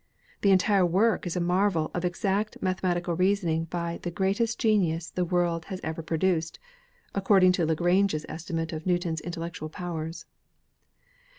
The entire work is a marvel of exact mathe matical reasoning by "the greatest genius the world has ever produced," according to Lagrange's estimate of New ton's intellectual powers.